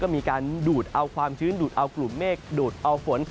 มีการดูดเอาความชื้นดูดเอากลุ่มเมฆดูดเอาฝน